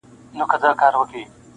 ما راوړي هغه لارو ته ډېوې دي,